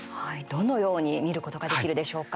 どのように見ることができるでしょうか。